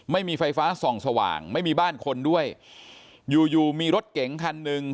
ไม่มีไฟฟ้าส่องสว่างไม่มีบ้านคนด้วยอยู่อยู่มีรถเก๋งคันหนึ่ง